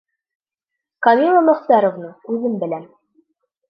Камила Мөхтәровна, үҙем беләм.